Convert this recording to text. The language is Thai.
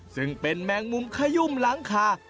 ซึ่งเป็นแมงมุมขยุ่มหลังคา